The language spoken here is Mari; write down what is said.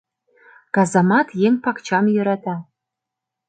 Казамат еҥ пакчам йӧрата.